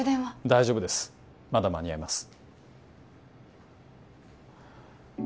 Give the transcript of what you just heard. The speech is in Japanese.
大丈夫ですまだ間に合います